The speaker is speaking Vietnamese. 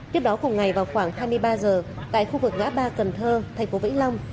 tiếp đó cùng ngày vào khoảng hai mươi ba giờ tại khu vực ngã ba cần thơ thành phố vĩnh long